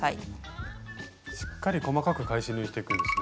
しっかり細かく返し縫いしていくんですね。